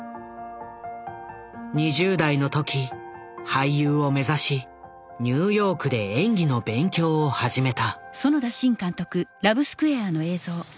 ２０代の時俳優を目指しニューヨークで演技の勉強を始めた。